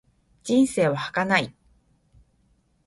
人生は儚い。